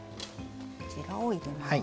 こちらを入れます。